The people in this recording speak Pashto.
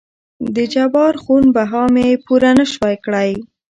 دجبار خون بها مې پوره نه شوى کړى.